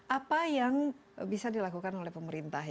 apa yang bisa dilakukan oleh pemerintah